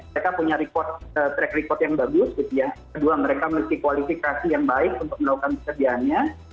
mereka punya track record yang bagus gitu ya kedua mereka memiliki kualifikasi yang baik untuk melakukan pekerjaannya